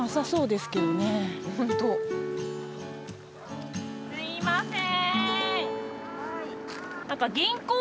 すいません！